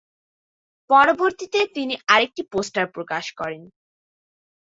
পরবর্তী দিনে তিনি আরেকটি পোস্টার প্রকাশ করেন।